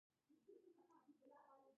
چې انسان د ګناه پۀ وېره کښې اچوي